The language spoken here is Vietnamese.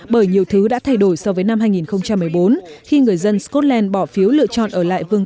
bởi nhiều thứ đã thay đổi so với năm hai nghìn một mươi bốn khi người dân scotland bỏ phiếu lựa chọn ở lại vương